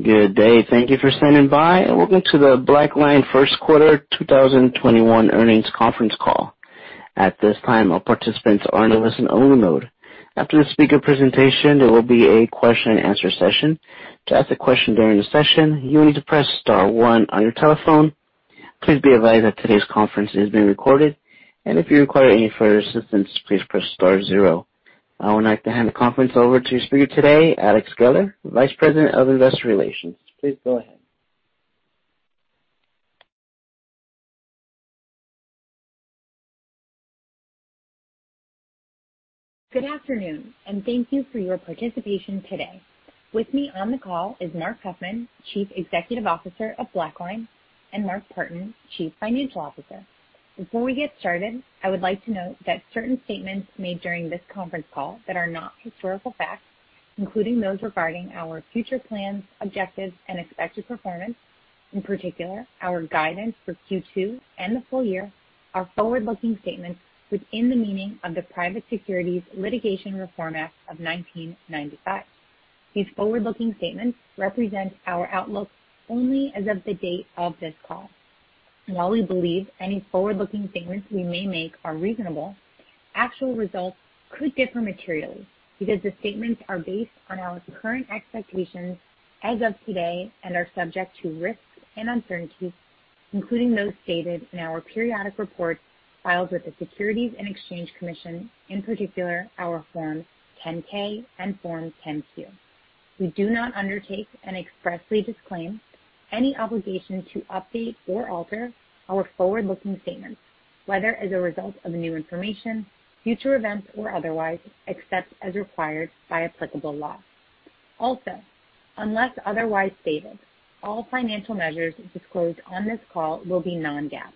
Good day. Thank you for standing by, and welcome to the BlackLine First Quarter 2021 Earnings Conference Call. I would like to hand the conference over to your speaker today, Alexandra Geller, Vice President of Investor Relations. Please go ahead. Good afternoon, and thank you for your participation today. With me on the call is Marc Huffman, Chief Executive Officer of BlackLine, and Mark Partin, Chief Financial Officer. Before we get started, I would like to note that certain statements made during this conference call that are not historical facts, including those regarding our future plans, objectives, and expected performance, in particular, our guidance for Q2 and the full-year, are forward-looking statements within the meaning of the Private Securities Litigation Reform Act of 1995. These forward-looking statements represent our outlook only as of the date of this call. While we believe any forward-looking statements we may make are reasonable, actual results could differ materially because the statements are based on our current expectations as of today and are subject to risks and uncertainties, including those stated in our periodic reports filed with the Securities and Exchange Commission, in particular, our Form 10-K and Form 10-Q. We do not undertake and expressly disclaim any obligation to update or alter our forward-looking statements, whether as a result of new information, future events, or otherwise, except as required by applicable law. Also, unless otherwise stated, all financial measures disclosed on this call will be non-GAAP.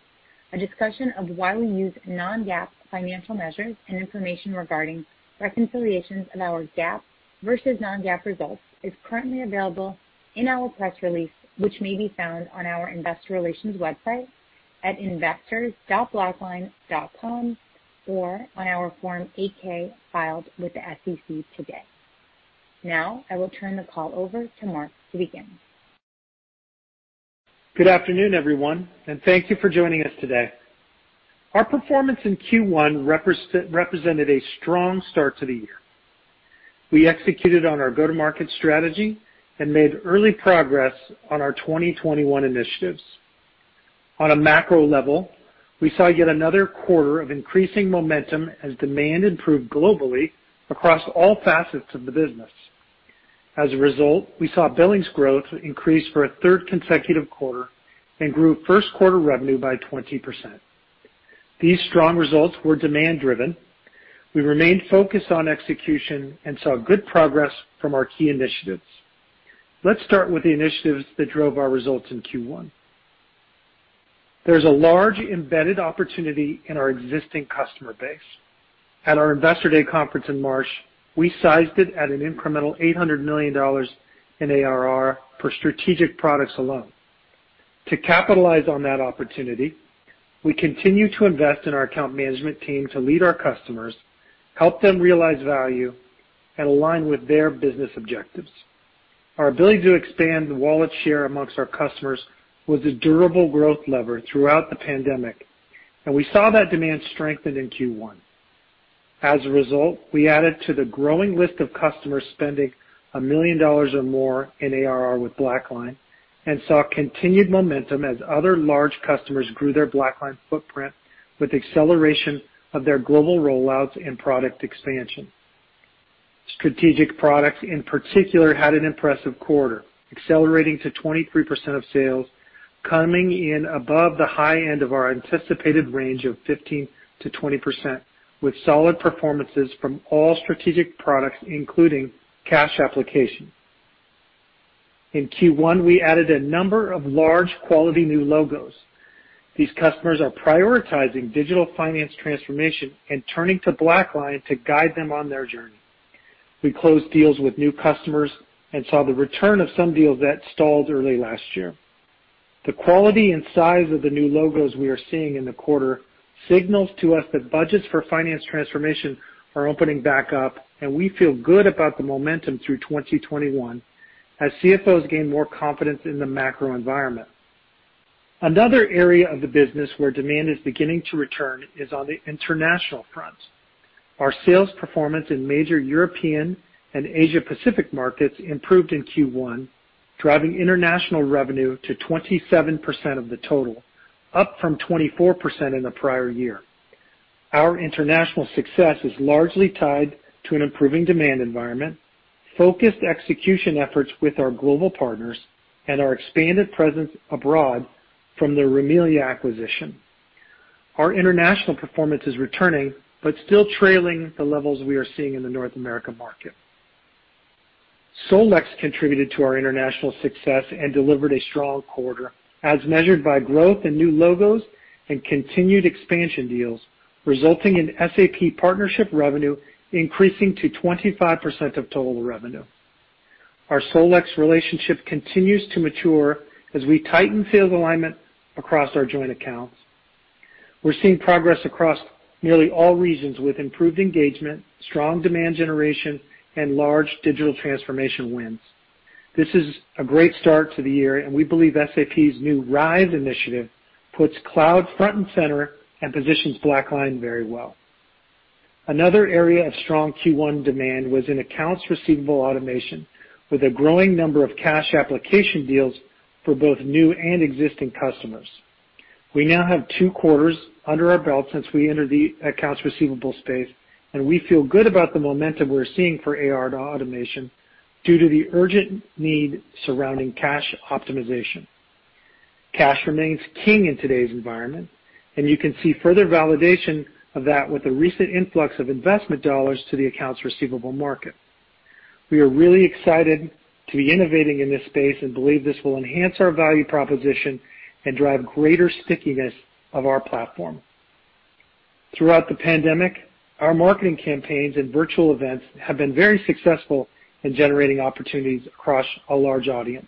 A discussion of why we use non-GAAP financial measures and information regarding reconciliations of our GAAP versus non-GAAP results is currently available in our press release, which may be found on our investor relations website at investors.blackline.com or on our Form 8-K filed with the SEC today. Now, I will turn the call over to Marc to begin. Good afternoon, everyone, and thank you for joining us today. Our performance in Q1 represented a strong start to the year. We executed on our go-to-market strategy and made early progress on our 2021 initiatives. On a macro level, we saw yet another quarter of increasing momentum as demand improved globally across all facets of the business. As a result, we saw billings growth increase for a third consecutive quarter and grew first quarter revenue by 20%. These strong results were demand driven. We remained focused on execution and saw good progress from our key initiatives. Let's start with the initiatives that drove our results in Q1. There's a large embedded opportunity in our existing customer base. At our Investor Day conference in March, we sized it at an incremental $800 million in ARR for strategic products alone. To capitalize on that opportunity, we continue to invest in our account management team to lead our customers, help them realize value, and align with their business objectives. Our ability to expand wallet share amongst our customers was a durable growth lever throughout the pandemic, and we saw that demand strengthen in Q1. As a result, we added to the growing list of customers spending $1 million or more in ARR with BlackLine and saw continued momentum as other large customers grew their BlackLine footprint with acceleration of their global rollouts and product expansion. Strategic products, in particular, had an impressive quarter, accelerating to 23% of sales, coming in above the high end of our anticipated range of 15%-20%, with solid performances from all strategic products, including Cash Application. In Q1, we added a number of large quality new logos. These customers are prioritizing digital finance transformation and turning to BlackLine to guide them on their journey. We closed deals with new customers and saw the return of some deals that stalled early last year. The quality and size of the new logos we are seeing in the quarter signals to us that budgets for finance transformation are opening back up, and we feel good about the momentum through 2021 as CFOs gain more confidence in the macro environment. Another area of the business where demand is beginning to return is on the international front. Our sales performance in major European and Asia Pacific markets improved in Q1, driving international revenue to 27% of the total, up from 24% in the prior year. Our international success is largely tied to an improving demand environment, focused execution efforts with our global partners, and our expanded presence abroad from the Rimilia acquisition. Our international performance is returning but still trailing the levels we are seeing in the North America market. SolEx contributed to our international success and delivered a strong quarter, as measured by growth in new logos and continued expansion deals, resulting in SAP partnership revenue increasing to 25% of total revenue. Our SolEx relationship continues to mature as we tighten sales alignment across our joint accounts. We're seeing progress across nearly all regions with improved engagement, strong demand generation, and large digital transformation wins. This is a great start to the year, and we believe SAP's new RISE initiative puts cloud front and center and positions BlackLine very well. Another area of strong Q1 demand was in accounts receivable automation, with a growing number of Cash Application deals for both new and existing customers. We now have two quarters under our belt since we entered the accounts receivable space, and we feel good about the momentum we're seeing for AR automation due to the urgent need surrounding cash optimization. Cash remains king in today's environment, and you can see further validation of that with the recent influx of investment dollars to the accounts receivable market. We are really excited to be innovating in this space and believe this will enhance our value proposition and drive greater stickiness of our platform. Throughout the pandemic, our marketing campaigns and virtual events have been very successful in generating opportunities across a large audience.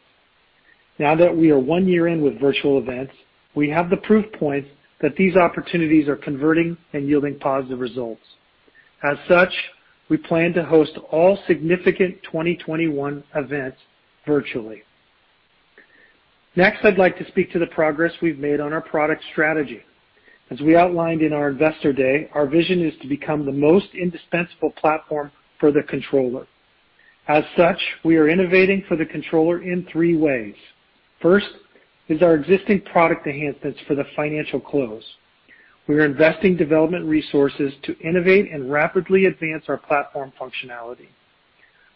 Now that we are one year in with virtual events, we have the proof points that these opportunities are converting and yielding positive results. As such, we plan to host all significant 2021 events virtually. Next, I'd like to speak to the progress we've made on our product strategy. As we outlined in our investor day, our vision is to become the most indispensable platform for the controller. As such, we are innovating for the controller in three ways. First is our existing product enhancements for the financial close. We are investing development resources to innovate and rapidly advance our platform functionality.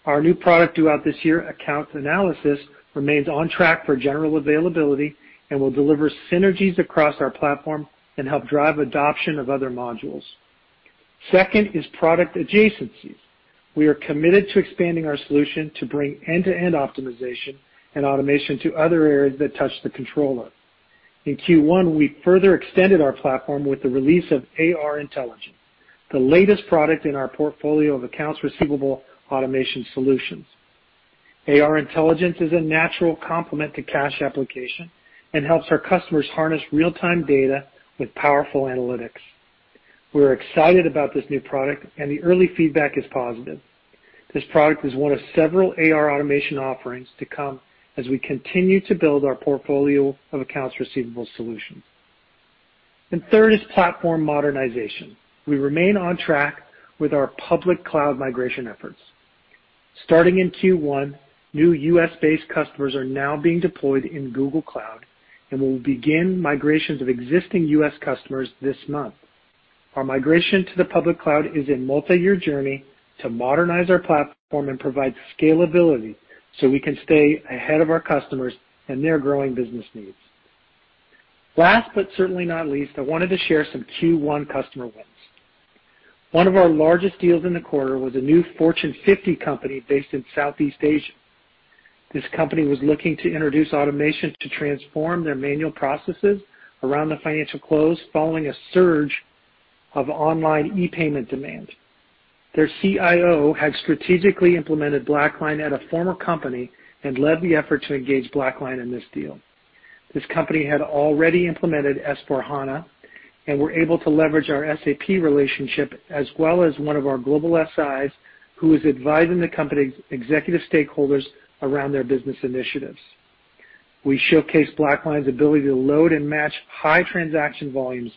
Our new product throughout this year, Account Analysis, remains on track for general availability and will deliver synergies across our platform and help drive adoption of other modules. Second is product adjacencies. We are committed to expanding our solution to bring end-to-end optimization and automation to other areas that touch the controller. In Q1, we further extended our platform with the release of AR Intelligence, the latest product in our portfolio of accounts receivable automation solutions. AR Intelligence is a natural complement to Cash Application and helps our customers harness real-time data with powerful analytics. We are excited about this new product, and the early feedback is positive. This product is one of several AR automation offerings to come as we continue to build our portfolio of accounts receivable solutions. Third is platform modernization. We remain on track with our public cloud migration efforts. Starting in Q1, new U.S. based customers are now being deployed in Google Cloud, and we will begin migrations of existing U.S. customers this month. Our migration to the public cloud is a multi-year journey to modernize our platform and provide scalability so we can stay ahead of our customers and their growing business needs. Last, but certainly not least, I wanted to share some Q1 customer wins. One of our largest deals in the quarter was a new Fortune 50 company based in Southeast Asia. This company was looking to introduce automation to transform their manual processes around the financial close following a surge of online e-payment demand. Their CIO had strategically implemented BlackLine at a former company and led the effort to engage BlackLine in this deal. This company had already implemented SAP S/4HANA and were able to leverage our SAP relationship, as well as one of our global SIs who is advising the company's executive stakeholders around their business initiatives. We showcased BlackLine's ability to load and match high transaction volumes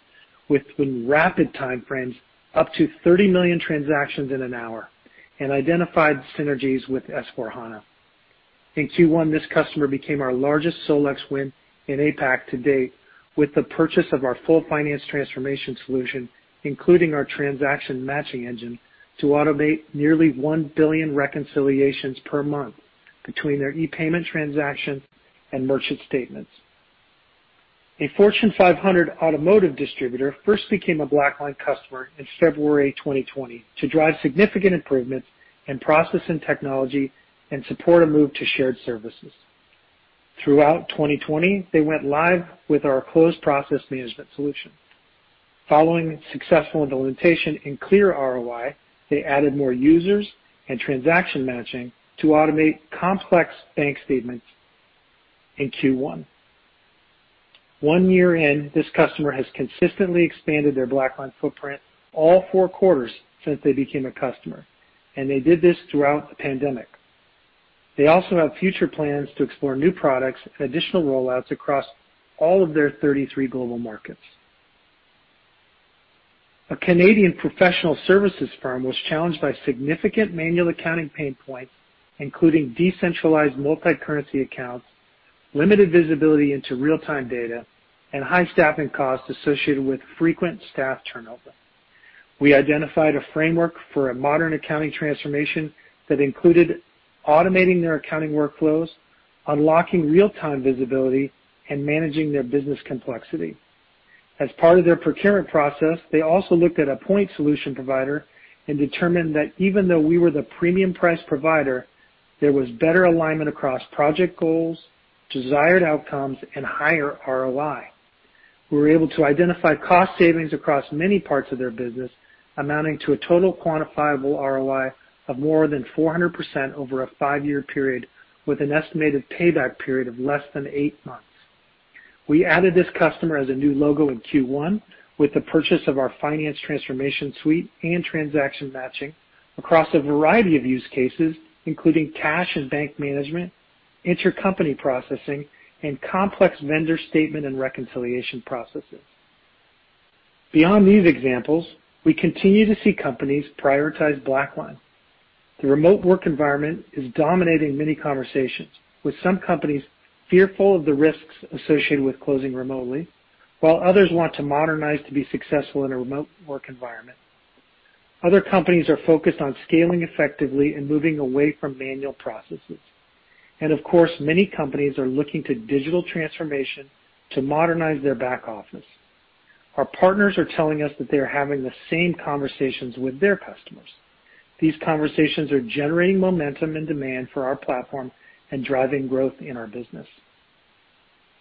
within rapid timeframes, up to 30 million transactions in an hour, and identified synergies with SAP S/4HANA. In Q1, this customer became our largest SolEx win in APAC to date with the purchase of our full finance transformation solution, including our transaction matching engine, to automate nearly 1 billion reconciliations per month between their e-payment transactions and merchant statements. A Fortune 500 automotive distributor first became a BlackLine customer in February 2020 to drive significant improvements in process and technology and support a move to shared services. Throughout 2020, they went live with our close process management solution. Following successful implementation and clear ROI, they added more users and Transaction Matching to automate complex bank statements in Q1. One year in, this customer has consistently expanded their BlackLine footprint all four quarters since they became a customer. They did this throughout the pandemic. They also have future plans to explore new products and additional rollouts across all of their 33 global markets. A Canadian professional services firm was challenged by significant manual accounting pain points, including decentralized multi-currency accounts, limited visibility into real-time data, and high staffing costs associated with frequent staff turnover. We identified a framework for a modern accounting transformation that included automating their accounting workflows, unlocking real-time visibility, and managing their business complexity. As part of their procurement process, they also looked at a point solution provider and determined that even though we were the premium price provider, there was better alignment across project goals, desired outcomes, and higher ROI. We were able to identify cost savings across many parts of their business, amounting to a total quantifiable ROI of more than 400% over a five year period, with an estimated payback period of less than eight months. We added this customer as a new logo in Q1 with the purchase of our finance transformation suite and Transaction Matching across a variety of use cases, including cash and bank management, intercompany processing, and complex vendor statement and reconciliation processes. Beyond these examples, we continue to see companies prioritize BlackLine. The remote work environment is dominating many conversations, with some companies fearful of the risks associated with closing remotely, while others want to modernize to be successful in a remote work environment. Other companies are focused on scaling effectively and moving away from manual processes. Of course, many companies are looking to digital transformation to modernize their back office. Our partners are telling us that they are having the same conversations with their customers. These conversations are generating momentum and demand for our platform and driving growth in our business.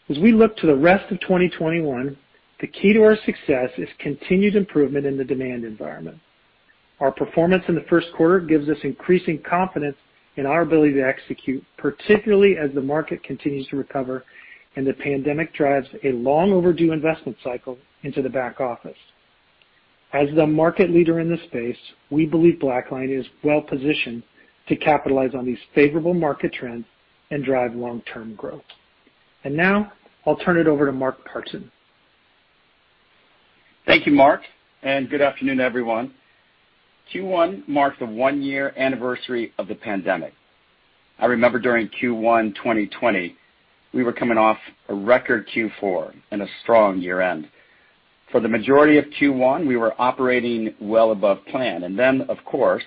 As we look to the rest of 2021, the key to our success is continued improvement in the demand environment. Our performance in the first quarter gives us increasing confidence in our ability to execute, particularly as the market continues to recover and the pandemic drives a long-overdue investment cycle into the back office. As the market leader in this space, we believe BlackLine is well-positioned to capitalize on these favorable market trends and drive long-term growth. Now I'll turn it over to Mark Partin. Thank you, Marc. Good afternoon, everyone. Q1 marked the one-year anniversary of the pandemic. I remember during Q1 2020, we were coming off a record Q4 and a strong year-end. For the majority of Q1, we were operating well above plan, and then, of course,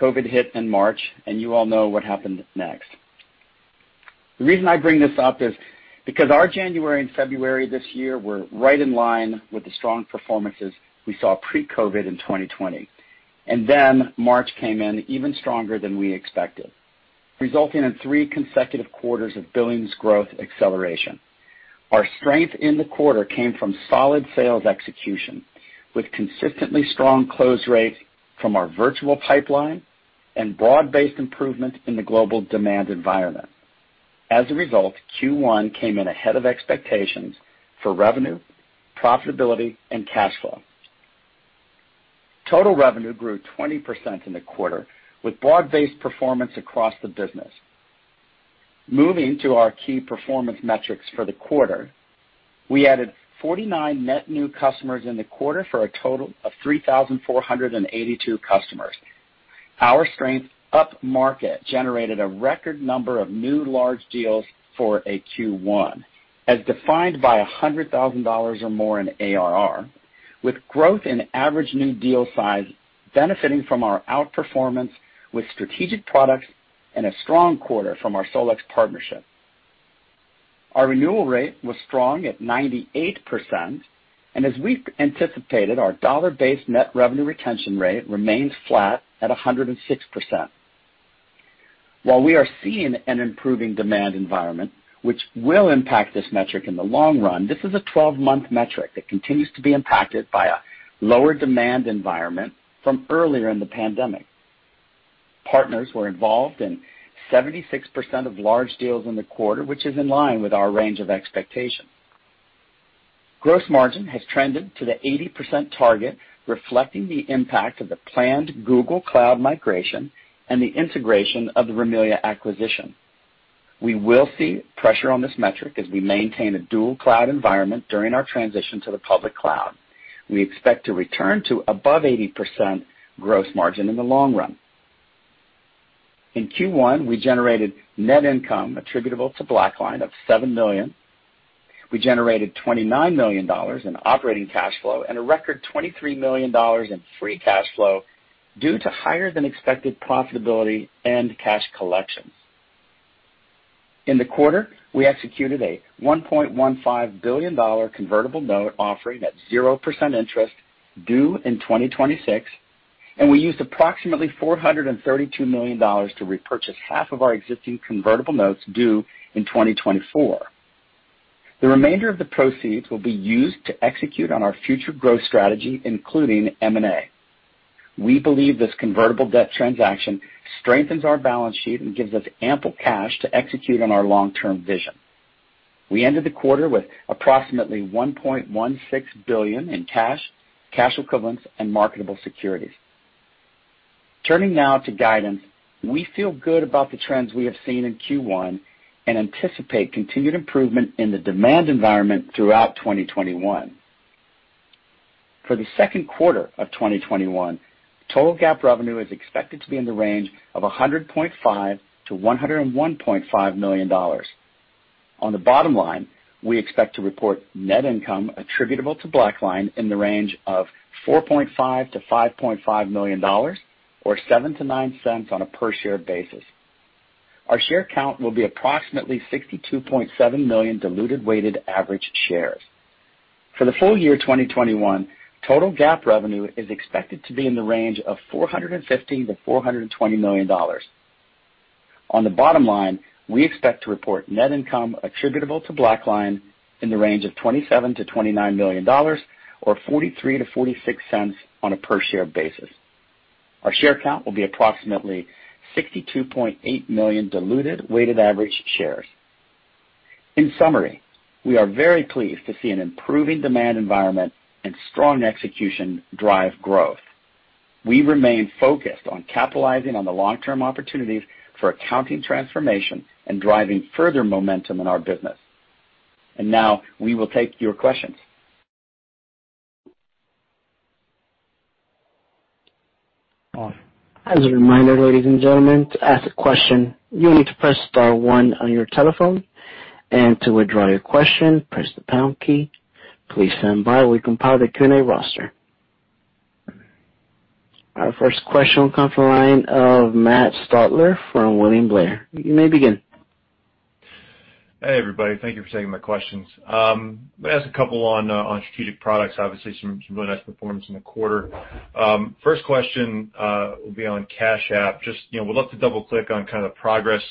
COVID hit in March, and you all know what happened next. The reason I bring this up is because our January and February this year were right in line with the strong performances we saw pre-COVID in 2020. March came in even stronger than we expected, resulting in three consecutive quarters of billings growth acceleration. Our strength in the quarter came from solid sales execution, with consistently strong close rates from our virtual pipeline and broad-based improvement in the global demand environment. As a result, Q1 came in ahead of expectations for revenue, profitability, and cash flow. Total revenue grew 20% in the quarter, with broad-based performance across the business. Moving to our key performance metrics for the quarter, we added 49 net new customers in the quarter for a total of 3,482 customers. Our strength upmarket generated a record number of new large deals for a Q1, as defined by $100,000 or more in ARR, with growth in average new deal size benefiting from our outperformance with strategic products and a strong quarter from our SolEx partnership. Our renewal rate was strong at 98%, and as we've anticipated, our dollar-based net revenue retention rate remains flat at 106%. While we are seeing an improving demand environment, which will impact this metric in the long run, this is a 12-month metric that continues to be impacted by a lower demand environment from earlier in the pandemic. Partners were involved in 76% of large deals in the quarter, which is in line with our range of expectations. Gross margin has trended to the 80% target, reflecting the impact of the planned Google Cloud migration and the integration of the Rimilia acquisition. We will see pressure on this metric as we maintain a dual cloud environment during our transition to the public cloud. We expect to return to above 80% gross margin in the long run. In Q1, we generated net income attributable to BlackLine of $7 million. We generated $29 million in operating cash flow and a record $23 million in free cash flow due to higher-than-expected profitability and cash collections. In the quarter, we executed a $1.15 billion convertible note offering at 0% interest due in 2026, and we used approximately $432 million to repurchase half of our existing convertible notes due in 2024. The remainder of the proceeds will be used to execute on our future growth strategy, including M&A. We believe this convertible debt transaction strengthens our balance sheet and gives us ample cash to execute on our long-term vision. We ended the quarter with approximately $1.16 billion in cash equivalents, and marketable securities. Turning now to guidance, we feel good about the trends we have seen in Q1 and anticipate continued improvement in the demand environment throughout 2021. For the second quarter of 2021, total GAAP revenue is expected to be in the range of $100.5 million to $101.5 million. On the bottom line, we expect to report net income attributable to BlackLine in the range of $4.5 million to $5.5 million, or $0.07-$0.09 on a per-share basis. Our share count will be approximately 62.7 million diluted weighted average shares. For the full-year 2021, total GAAP revenue is expected to be in the range of $415 million to $420 million. On the bottom line, we expect to report net income attributable to BlackLine in the range of $27 million to $29 million, or $0.43-$0.46 on a per-share basis. Our share count will be approximately 62.8 million diluted weighted average shares. In summary, we are very pleased to see an improving demand environment and strong execution drive growth. We remain focused on capitalizing on the long-term opportunities for accounting transformation and driving further momentum in our business. Now, we will take your questions. Paul. As a reminder, ladies and gentlemen, to ask a question, you'll need to press star one on your telephone, and to withdraw your question, press the star key. Please stand by while we compile the Q&A roster. Our first question will come from the line of Matt Stotler from William Blair. You may begin. Hey, everybody. Thank you for taking my questions. I'm going to ask a couple on strategic products, obviously some really nice performance in the quarter. First question will be on Cash App. Just would love to double-click on kind of the progress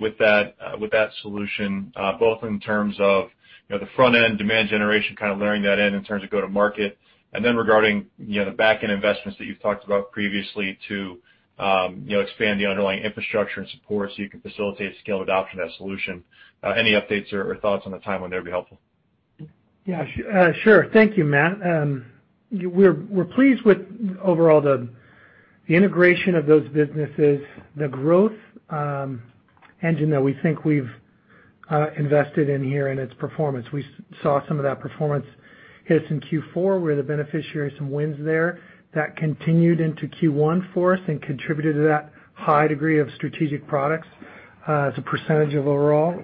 with that solution, both in terms of the front end demand generation, kind of layering that in terms of go-to-market, and then regarding the back end investments that you've talked about previously to expand the underlying infrastructure and support so you can facilitate scale adoption of that solution. Any updates or thoughts on the timeline there would be helpful. Yeah, sure. Thank you, Matt. We're pleased with overall the integration of those businesses, the growth engine that we think we've invested in here and its performance. We saw some of that performance hit us in Q4. We're the beneficiary of some wins there that continued into Q1 for us and contributed to that high degree of strategic products, as a % of overall.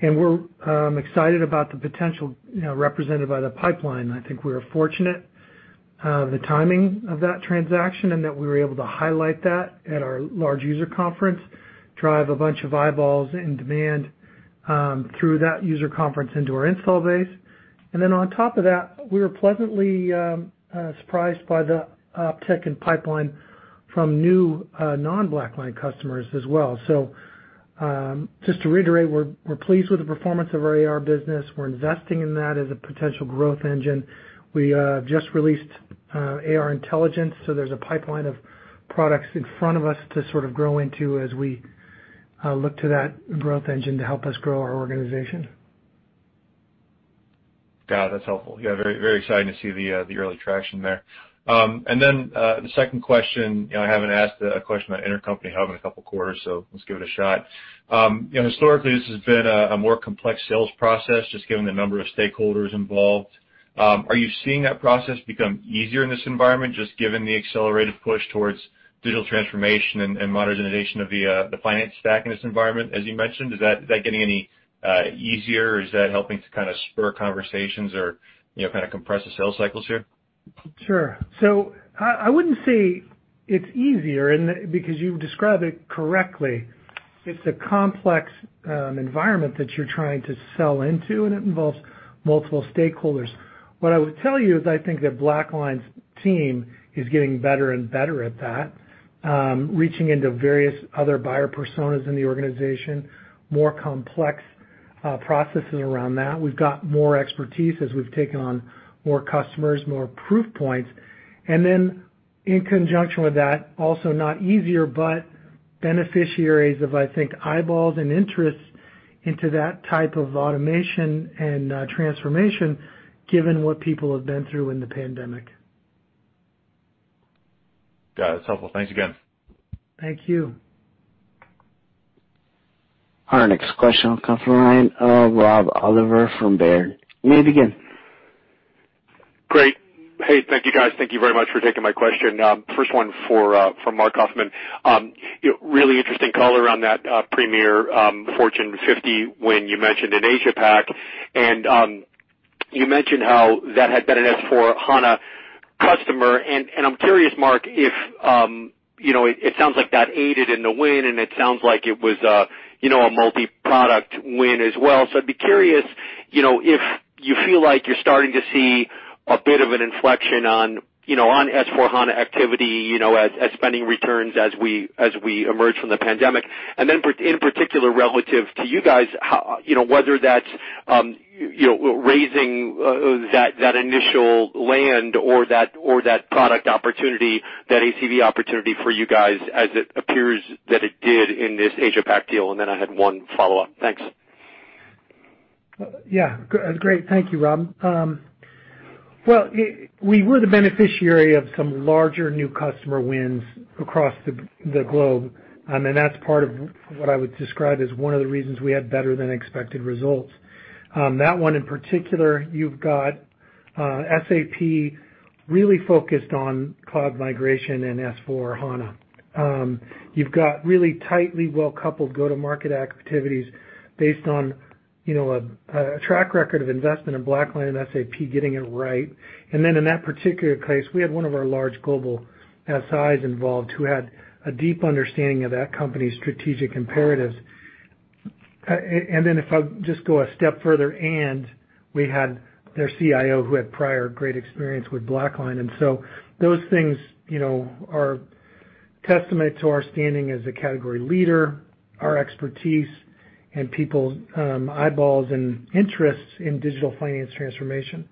We're excited about the potential represented by the pipeline. I think we're fortunate the timing of that transaction and that we were able to highlight that at our large user conference, drive a bunch of eyeballs and demand through that user conference into our install base. On top of that, we were pleasantly surprised by the uptick in pipeline from new non-BlackLine customers as well. Just to reiterate, we're pleased with the performance of our AR business. We're investing in that as a potential growth engine. We just released AR Intelligence, so there's a pipeline of products in front of us to sort of grow into as we look to that growth engine to help us grow our organization. Got it. That's helpful. Yeah, very exciting to see the early traction there. The second question, I haven't asked a question on Intercompany Hub in a couple quarters, so let's give it a shot. Historically, this has been a more complex sales process, just given the number of stakeholders involved. Are you seeing that process become easier in this environment, just given the accelerated push towards digital transformation and modernization of the finance stack in this environment, as you mentioned? Is that getting any easier or is that helping to kind of spur conversations or kind of compress the sales cycles here? Sure. I wouldn't say it's easier, and because you've described it correctly. It's a complex environment that you're trying to sell into, and it involves multiple stakeholders. What I would tell you is I think that BlackLine's team is getting better and better at that, reaching into various other buyer personas in the organization, more complex processes around that. We've got more expertise as we've taken on more customers, more proof points. In conjunction with that, also not easier, but beneficiaries of, I think, eyeballs and interests into that type of automation and transformation given what people have been through in the pandemic. Got it. It's helpful. Thanks again. Thank you. Our next question will come from the line of Rob Oliver from Baird. You may begin. Great. Hey, thank you, guys. Thank you very much for taking my question. First one for Marc Huffman. Really interesting color on that premier Fortune 50 win you mentioned in Asia Pac, and you mentioned how that had been an S/4HANA customer, and I'm curious, Marc, it sounds like that aided in the win, and it sounds like it was a multi-product win as well. I'd be curious if you feel like you're starting to see a bit of an inflection on S/4HANA activity, as spending returns as we emerge from the pandemic, and then in particular relative to you guys, whether that's raising that initial land or that product opportunity, that ACV opportunity for you guys as it appears that it did in this Asia Pac deal, and then I had one follow-up. Thanks. Yeah. Great. Thank you, Rob. Well, we were the beneficiary of some larger new customer wins across the globe, and that's part of what I would describe as one of the reasons we had better than expected results. That one in particular, you've got SAP really focused on cloud migration and S/4HANA. You've got really tightly well-coupled go-to-market activities based on a track record of investment in BlackLine and SAP getting it right. In that particular case, we had one of our large global SIs involved who had a deep understanding of that company's strategic imperatives. If I just go a step further, we had their CIO who had prior great experience with BlackLine. Testament to our standing as a category leader, our expertise and people's eyeballs and interests in digital finance transformation.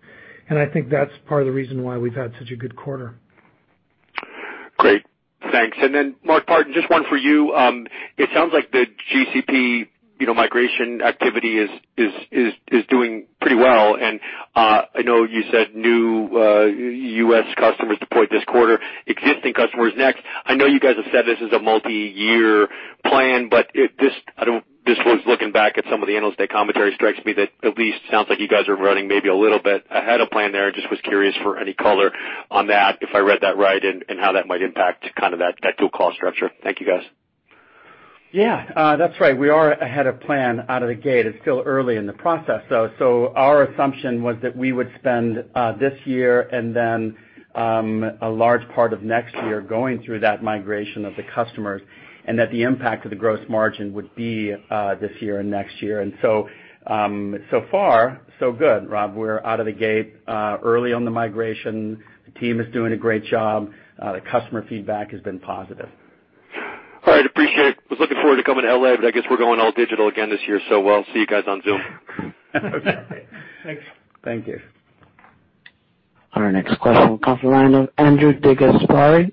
I think that's part of the reason why we've had such a good quarter. Great, thanks. Mark Partin, just one for you. It sounds like the GCP migration activity is doing pretty well. I know you said new U.S. customers deployed this quarter, existing customers next. I know you guys have said this is a multi-year plan, but just was looking back at some of the analyst commentary, strikes me that at least sounds like you guys are running maybe a little bit ahead of plan there. Just was curious for any color on that, if I read that right, and how that might impact that dual call structure. Thank you, guys. Yeah, that's right. We are ahead of plan out of the gate. It's still early in the process, though. Our assumption was that we would spend this year and then a large part of next year going through that migration of the customers and that the impact of the gross margin would be this year and next year. So far, so good, Rob. We're out of the gate early on the migration. The team is doing a great job. The customer feedback has been positive. All right, appreciate it. Was looking forward to coming to L.A., but I guess we're going all digital again this year, so we'll see you guys on Zoom. Thanks. Thank you. Our next question comes the line of Andrew DeGasperi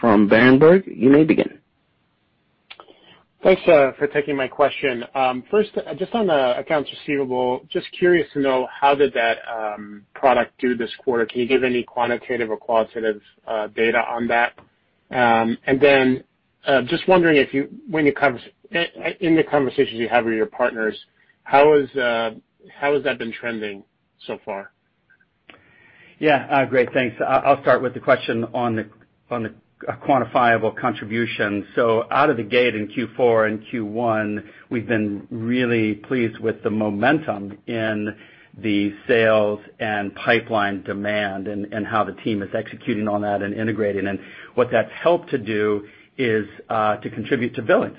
from Berenberg. You may begin. Thanks for taking my question. First, just on the accounts receivable, just curious to know how did that product do this quarter? Can you give any quantitative or qualitative data on that? Just wondering, in the conversations you have with your partners, how has that been trending so far? Yeah. Great, thanks. I'll start with the question on the quantifiable contribution. Out of the gate in Q4 and Q1, we've been really pleased with the momentum in the sales and pipeline demand and how the team is executing on that and integrating. What that's helped to do is to contribute to billings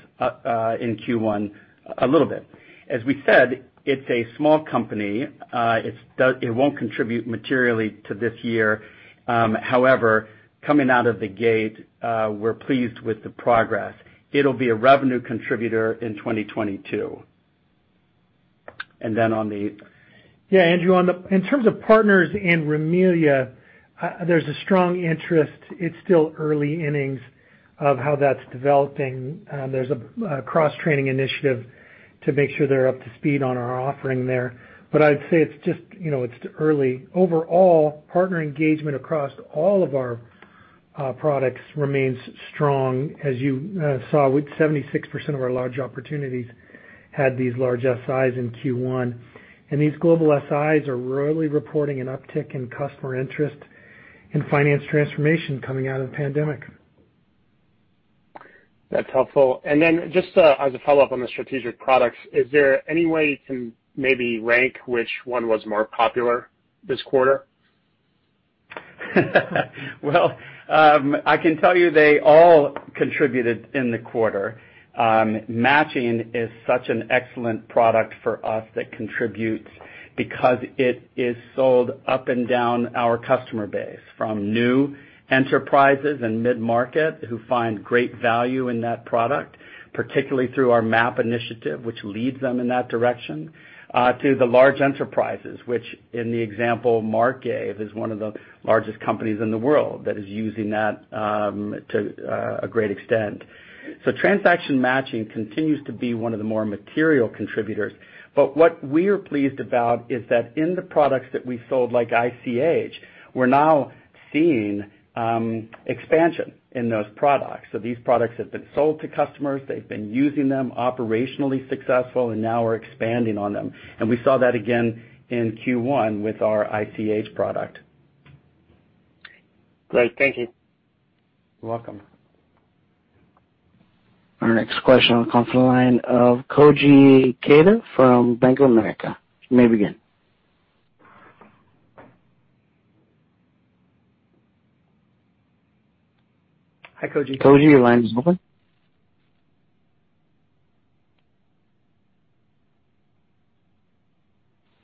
in Q1 a little bit. As we said, it's a small company. It won't contribute materially to this year. However, coming out of the gate, we're pleased with the progress. It'll be a revenue contributor in 2022. Then on the- Yeah, Andrew, in terms of partners and Rimilia, there's a strong interest. It's still early innings of how that's developing. There's a cross-training initiative to make sure they're up to speed on our offering there. I'd say it's early. Overall, partner engagement across all of our products remains strong. As you saw, with 76% of our large opportunities had these large SIs in Q1. These global SIs are really reporting an uptick in customer interest in finance transformation coming out of the pandemic. That's helpful. Then just as a follow-up on the strategic products, is there any way you can maybe rank which one was more popular this quarter? Well, I can tell you they all contributed in the quarter. Matching is such an excellent product for us that contributes because it is sold up and down our customer base, from new enterprises and mid-market who find great value in that product, particularly through our MAP initiative, which leads them in that direction, to the large enterprises, which in the example Marc gave, is one of the largest companies in the world that is using that to a great extent. Transaction Matching continues to be one of the more material contributors. What we are pleased about is that in the products that we sold, like ICH, we're now seeing expansion in those products. These products have been sold to customers, they've been using them, operationally successful, and now we're expanding on them. We saw that again in Q1 with our ICH product. Great. Thank you. You're welcome. Our next question will come from the line of Koji Ikeda from Bank of America. You may begin. Hi, Koji. Koji, your line is open.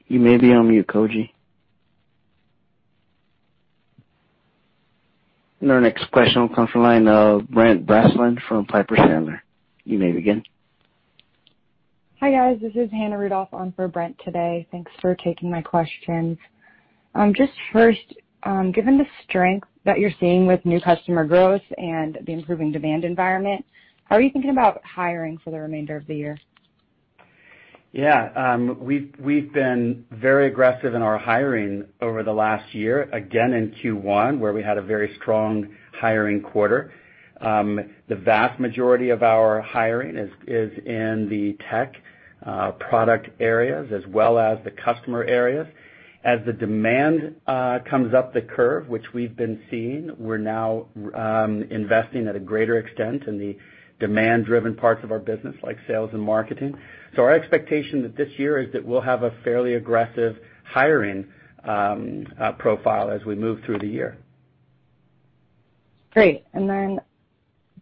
You may be on mute, Koji. Our next question will come from the line of Brent Bracelin from Piper Sandler. You may begin. Hi, guys. This is Hannah Rudoff on for Brent today. Thanks for taking my questions. First, given the strength that you're seeing with new customer growth and the improving demand environment, how are you thinking about hiring for the remainder of the year? Yeah. We've been very aggressive in our hiring over the last year, again in Q1, where we had a very strong hiring quarter. The vast majority of our hiring is in the tech product areas as well as the customer areas. As the demand comes up the curve, which we've been seeing, we're now investing at a greater extent in the demand-driven parts of our business, like sales and marketing. Our expectation that this year is that we'll have a fairly aggressive hiring profile as we move through the year. Great.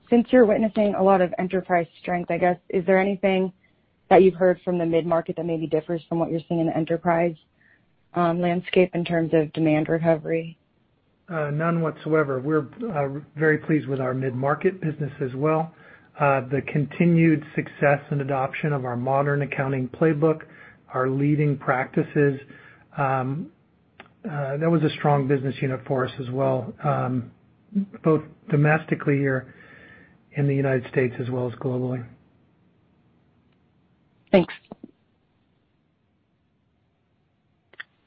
Since you're witnessing a lot of enterprise strength, I guess, is there anything that you've heard from the mid-market that maybe differs from what you're seeing in the enterprise landscape in terms of demand recovery? None whatsoever. We're very pleased with our mid-market business as well. The continued success and adoption of our Modern Accounting Playbook, our leading practices, that was a strong business unit for us as well, both domestically here in the United States as well as globally. Thanks.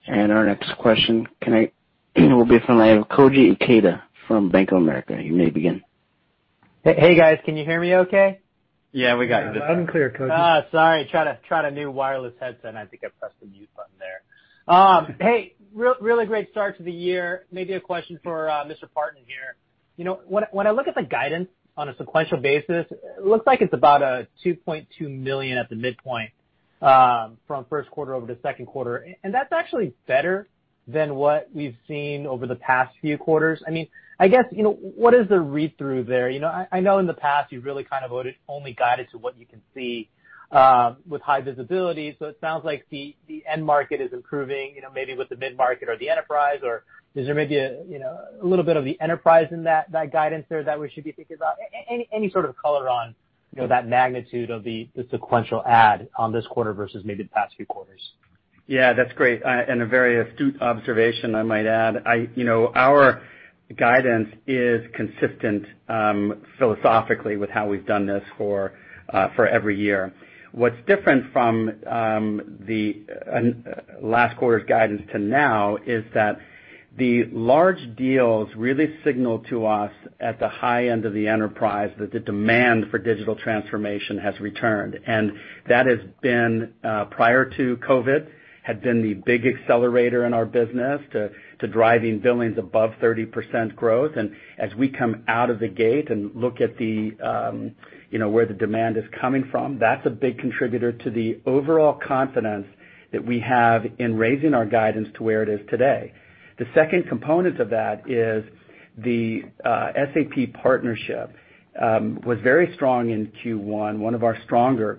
Our next question will be from the line of Koji Ikeda from Bank of America. You may begin. Hey, guys. Can you hear me okay? Yeah, we got you good. Loud and clear, Koji. Sorry. Tried a new wireless headset, and I think I pressed the mute button there. Hey, really great start to the year. Maybe a question for Mr. Partin here. When I look at the guidance on a sequential basis, it looks like it's about a $2.2 million at the midpoint from first quarter over to second quarter. That's actually better than what we've seen over the past few quarters. I guess, what is the read-through there? I know in the past you've really kind of only guided to what you can see with high visibility. It sounds like the end market is improving, maybe with the mid-market or the enterprise, or is there maybe a little bit of the enterprise in that guidance there that we should be thinking about? Any sort of color on that magnitude of the sequential add on this quarter versus maybe the past few quarters? Yeah, that's great, and a very astute observation, I might add. Our guidance is consistent philosophically with how we've done this for every year. What's different from the last quarter's guidance to now is that the large deals really signal to us at the high end of the enterprise that the demand for digital transformation has returned. That has been, prior to COVID, had been the big accelerator in our business to driving billings above 30% growth. As we come out of the gate and look at where the demand is coming from, that's a big contributor to the overall confidence that we have in raising our guidance to where it is today. The second component of that is the SAP partnership was very strong in Q1, one of our stronger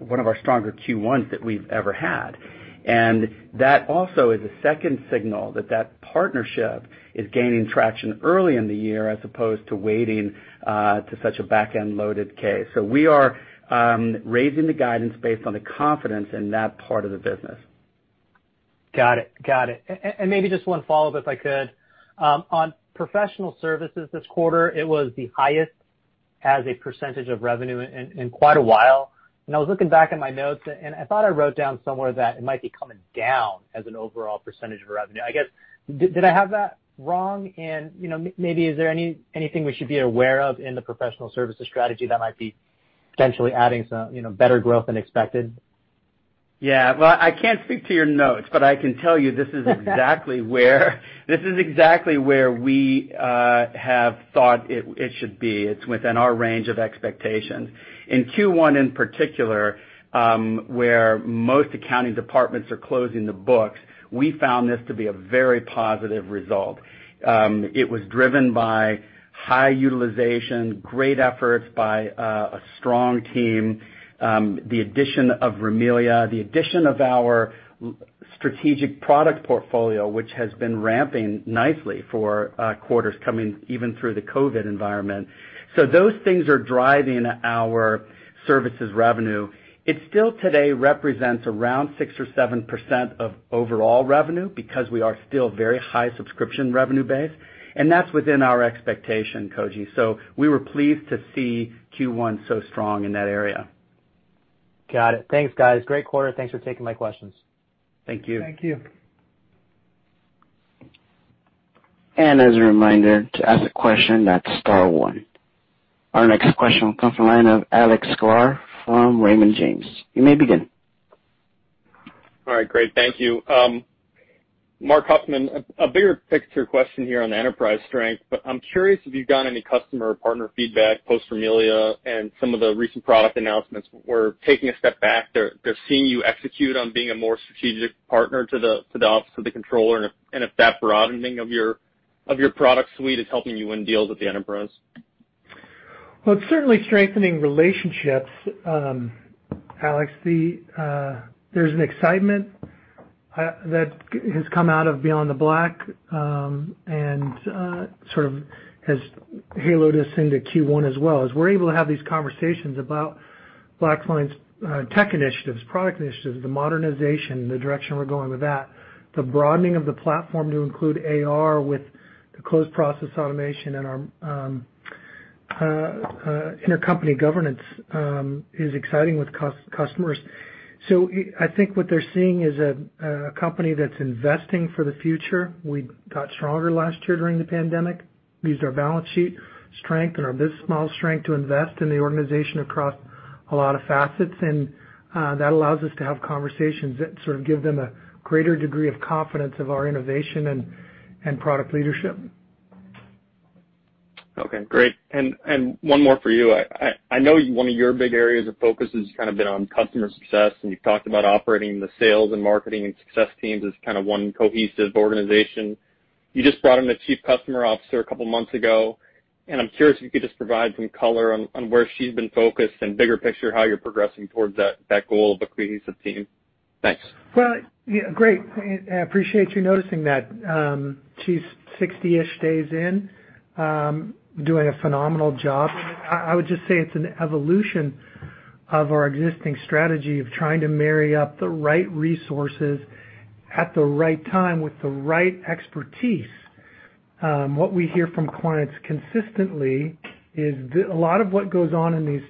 Q1s that we've ever had. That also is a second signal that that partnership is gaining traction early in the year as opposed to waiting to such a back-end loaded case. We are raising the guidance based on the confidence in that part of the business. Got it. Maybe just one follow-up, if I could. On professional services this quarter, it was the highest as a percentage of revenue in quite a while. I was looking back in my notes, and I thought I wrote down somewhere that it might be coming down as an overall percentage of revenue. I guess, did I have that wrong? Maybe, is there anything we should be aware of in the professional services strategy that might be potentially adding some better growth than expected? Well, I can't speak to your notes, but I can tell you this is exactly where we have thought it should be. It's within our range of expectations. In Q1, in particular, where most accounting departments are closing the books, we found this to be a very positive result. It was driven by high utilization, great efforts by a strong team, the addition of Rimilia, the addition of our strategic product portfolio, which has been ramping nicely for quarters coming even through the COVID environment. Those things are driving our services revenue. It still today represents around 6% or 7% of overall revenue because we are still very high subscription revenue base, and that's within our expectation, Koji. We were pleased to see Q1 so strong in that area. Got it. Thanks, guys. Great quarter. Thanks for taking my questions. Thank you. Thank you. As a reminder, to ask a question, that's star one. Our next question will come from the line of Alex Sklar from Raymond James. You may begin. All right, great. Thank you. Marc Huffman, a bigger picture question here on the enterprise strength. I'm curious if you've gotten any customer or partner feedback post-Rimilia and some of the recent product announcements, where taking a step back, they're seeing you execute on being a more strategic partner to the office of the controller, and if that broadening of your product suite is helping you win deals with the enterprise. Well, it's certainly strengthening relationships, Alex. There's an excitement that has come out of BeyondTheBlack, and sort of has haloed us into Q1 as well. As we're able to have these conversations about BlackLine's tech initiatives, product initiatives, the modernization, the direction we're going with that, the broadening of the platform to include AR with the closed process automation and our intercompany governance is exciting with customers. I think what they're seeing is a company that's investing for the future. We got stronger last year during the pandemic. We used our balance sheet strength and our biz model strength to invest in the organization across a lot of facets, and that allows us to have conversations that sort of give them a greater degree of confidence of our innovation and product leadership. Okay, great. One more for you. I know one of your big areas of focus has kind of been on customer success, and you've talked about operating the sales and marketing and success teams as kind of one cohesive organization. You just brought in a Chief Customer Officer a couple months ago, and I'm curious if you could just provide some color on where she's been focused and bigger picture, how you're progressing towards that goal of a cohesive team. Thanks. Well, great. I appreciate you noticing that. She's 60-ish days in, doing a phenomenal job. I would just say it's an evolution of our existing strategy of trying to marry up the right resources at the right time with the right expertise. What we hear from clients consistently is a lot of what goes on in these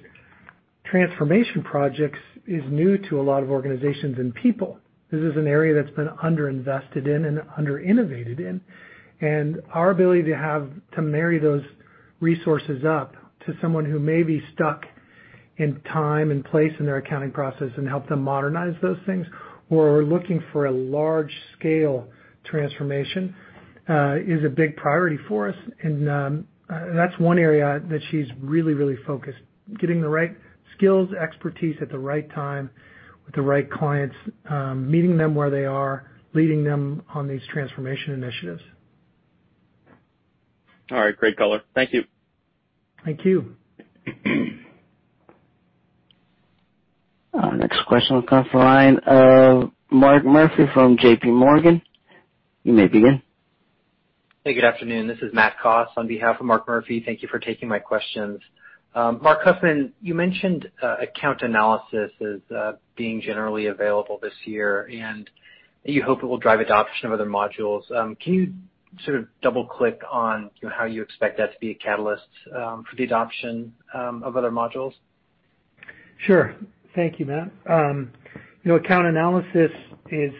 transformation projects is new to a lot of organizations and people. This is an area that's been underinvested in and under innovated in. Our ability to marry those resources up to someone who may be stuck in time and place in their accounting process and help them modernize those things, or are looking for a large scale transformation, is a big priority for us. That's one area that she's really focused, getting the right skills, expertise at the right time with the right clients, meeting them where they are, leading them on these transformation initiatives. All right, great color. Thank you. Thank you. Next question will come from the line of Mark Murphy from JPMorgan. You may begin. Hey, good afternoon. This is Matt Coss on behalf of Mark Murphy. Thank you for taking my questions. Marc Huffman, you mentioned BlackLine Account Analysis as being generally available this year, and you hope it will drive adoption of other modules. Can you sort of double-click on how you expect that to be a catalyst for the adoption of other modules? Sure. Thank you, Matt. Account Analysis is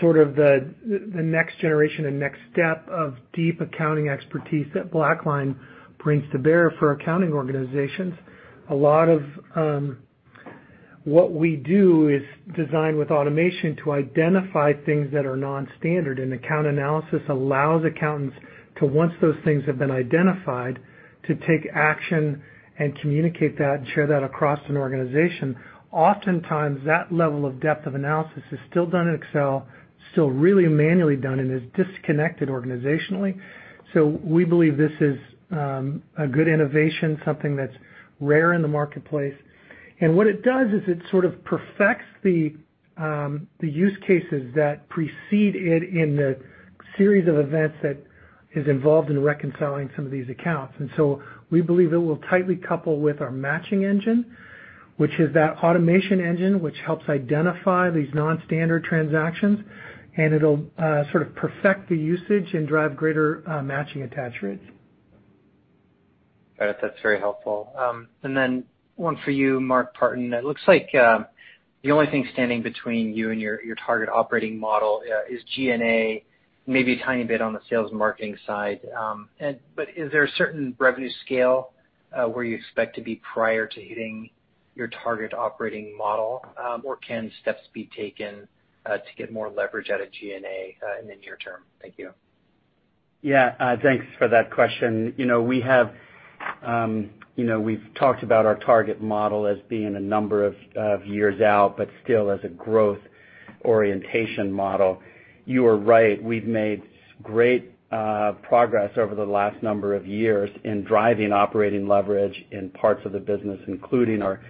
sort of the next generation and next step of deep accounting expertise that BlackLine brings to bear for accounting organizations. A lot of what we do is designed with automation to identify things that are non-standard, and Account Analysis allows accountants to, once those things have been identified, to take action and communicate that and share that across an organization. Oftentimes, that level of depth of analysis is still done in Excel, still really manually done, and is disconnected organizationally. We believe this is a good innovation, something that's rare in the marketplace. What it does is it sort of perfects the use cases that precede it in the series of events that is involved in reconciling some of these accounts. We believe it will tightly couple with our matching engine, which is that automation engine, which helps identify these non-standard transactions, and it'll sort of perfect the usage and drive greater matching attach rates. Got it. That's very helpful. Then one for you, Mark Partin. It looks like the only thing standing between you and your target operating model is G&A, maybe a tiny bit on the sales marketing side. Is there a certain revenue scale, where you expect to be prior to hitting your target operating model? Can steps be taken to get more leverage out of G&A in the near term? Thank you. Yeah. Thanks for that question. We've talked about our target model as being a number of years out, but still as a growth orientation model. You are right, we've made great progress over the last number of years in driving operating leverage in parts of the business, including our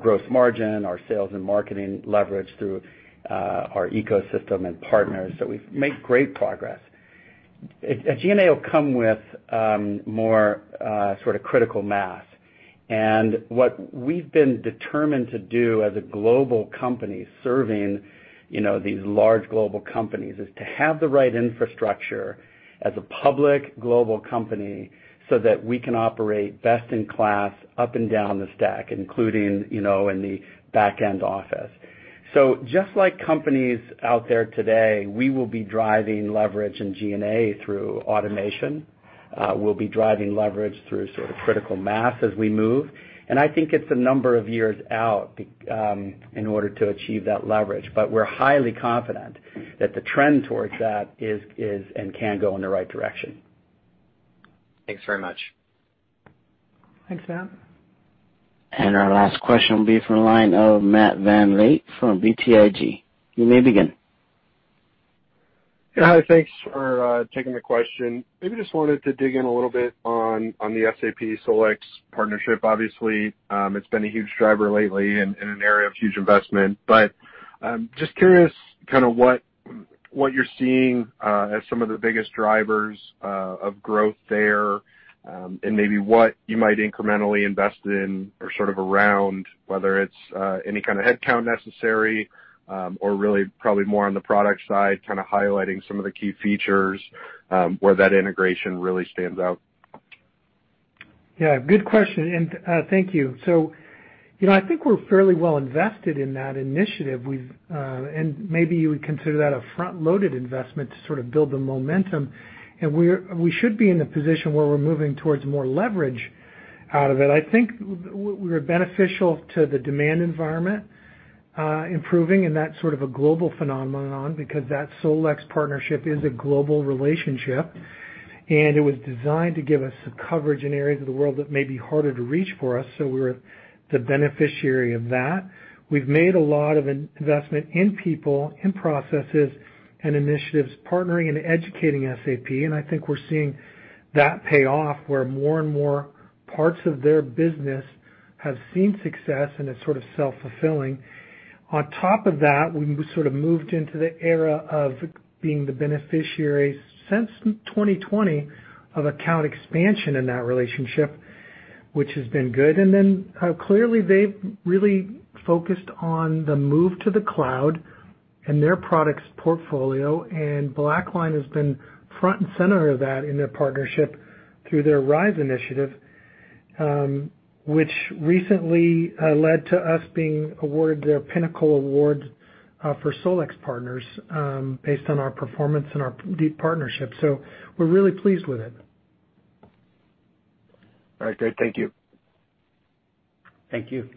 gross margin, our sales and marketing leverage through our ecosystem and partners. We've made great progress. G&A will come with more sort of critical mass. What we've been determined to do as a global company serving these large global companies, is to have the right infrastructure as a public global company so that we can operate best in class up and down the stack, including in the back-end office. Just like companies out there today, we will be driving leverage in G&A through automation. We'll be driving leverage through sort of critical mass as we move. I think it's a number of years out, in order to achieve that leverage. We're highly confident that the trend towards that is and can go in the right direction. Thanks very much. Thanks, Matt. Our last question will be from the line of Matthew VanVliet from BTIG. You may begin. Yeah. Hi. Thanks for taking the question. Maybe just wanted to dig in a little bit on the SAP SolEx partnership. Obviously, it's been a huge driver lately and an area of huge investment. Just curious what you're seeing as some of the biggest drivers of growth there, and maybe what you might incrementally invest in or sort of around, whether it's any kind of headcount necessary, or really probably more on the product side, kind of highlighting some of the key features, where that integration really stands out. Yeah, good question, and thank you. I think we're fairly well invested in that initiative. Maybe you would consider that a front-loaded investment to sort of build the momentum. We should be in a position where we're moving towards more leverage out of it. I think we're beneficial to the demand environment improving, and that's sort of a global phenomenon because that SolEx partnership is a global relationship, and it was designed to give us some coverage in areas of the world that may be harder to reach for us. We're the beneficiary of that. We've made a lot of investment in people, in processes and initiatives, partnering and educating SAP, and I think we're seeing that pay off where more and more parts of their business have seen success, and it's sort of self-fulfilling. We sort of moved into the era of being the beneficiary since 2020 of account expansion in that relationship, which has been good. Clearly they've really focused on the move to the cloud and their products portfolio, and BlackLine has been front and center of that in their partnership through their RISE Initiative, which recently led to us being awarded their Pinnacle Award for SolEx partners, based on our performance and our deep partnership. We're really pleased with it. All right. Great. Thank you. Thank you.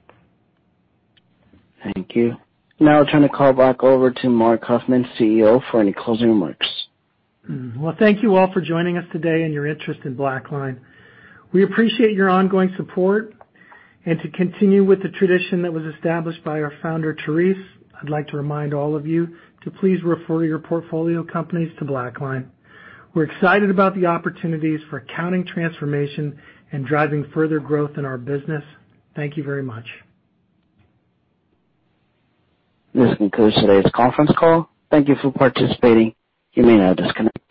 Thank you. Now I'll turn the call back over to Marc Huffman, CEO, for any closing remarks. Well, thank you all for joining us today and your interest in BlackLine. We appreciate your ongoing support. To continue with the tradition that was established by our founder, Therese, I'd like to remind all of you to please refer your portfolio companies to BlackLine. We're excited about the opportunities for accounting transformation and driving further growth in our business. Thank you very much. This concludes today's conference call. Thank you for participating. You may now disconnect.